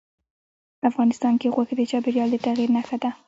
افغانستان کې غوښې د چاپېریال د تغیر نښه ده.